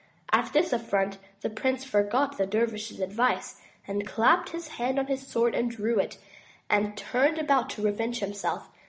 At this affront, the prince forgot the dervish's advice, clapped his hand upon his sword and drew it, and turned about to revenge himself.